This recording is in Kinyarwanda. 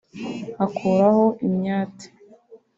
akuraho imyate